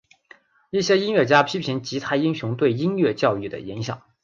一些音乐家批评吉他英雄对音乐教育的影响。